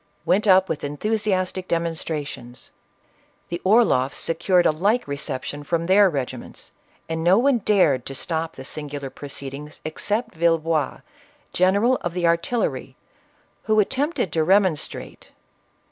went up with enthusiastic demonstrations ; the Orloffs se cured a like reception from their regiments, and no one dared to stop the singular proceedings, except Villebois, General of the Artillery, who attempted to remonstrate.